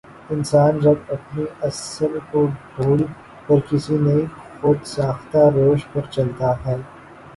انسان جب اپنی اصل کو بھول کر کسی نئی خو د ساختہ روش پرچلتا ہے